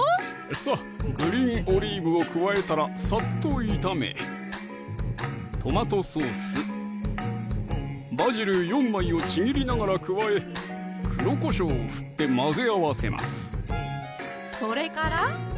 さぁグリーンオリーブを加えたらサッと炒めトマトソース・バジル４枚をちぎりながら加え黒こしょうを振って混ぜ合わせますそれから？